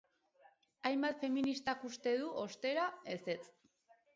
Hainbat feministak uste du, ostera, ezetz.